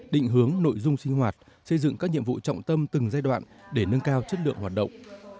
định hướng nội dung sinh hoạt xây dựng các nhiệm vụ trọng tâm từng giai đoạn để nâng cao chất lượng hoạt động